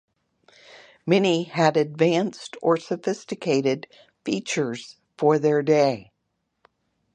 Many had advanced or sophisticated features for their day.